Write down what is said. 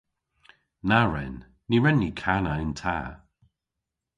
Na wren. Ny wren ni kana yn ta.